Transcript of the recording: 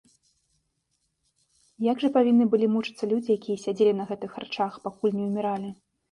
Як жа павінны былі мучыцца людзі, якія сядзелі на гэтых харчах, пакуль не ўміралі!